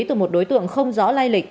từ một đối tượng không rõ lai lịch